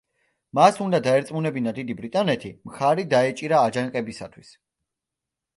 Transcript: მას უნდა დაერწმუნებინა დიდი ბრიტანეთი, მხარი დაეჭირა აჯანყებისათვის.